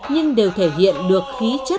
nhưng đều thể hiện được khí chất phóng thoáng